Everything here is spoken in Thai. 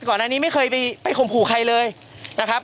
ก่อนอันนี้ไม่เคยไปข่มขู่ใครเลยนะครับ